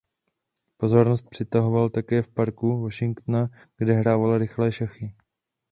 Pozornost přitahoval také v Parku Washingtona kde hrával rychle šachy.